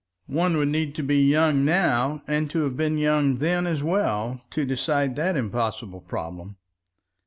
One would need to be young now and to have been young then as well, to decide that impossible problem.